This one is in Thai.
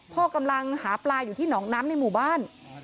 กำลังหาปลาอยู่ที่หนองน้ำในหมู่บ้าน